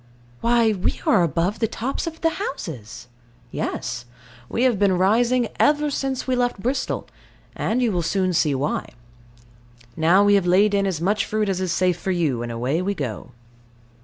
Why, we are above the tops of the houses. Yes. We have been rising ever since we left Bristol; and you will soon see why. Now we have laid in as much fruit as is safe for you, and away we go.